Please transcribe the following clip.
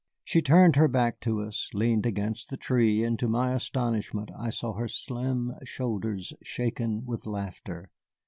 She turned her back to us, leaned against the tree, and to my astonishment I saw her slim shoulders shaken with laughter.